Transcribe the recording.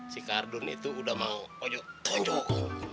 si kardun itu udah mang ojo tunjuk